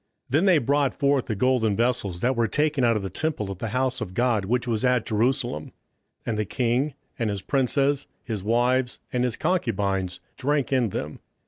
27:005:003 Then they brought the golden vessels that were taken out of the temple of the house of God which was at Jerusalem; and the king, and his princes, his wives, and his concubines, drank in them.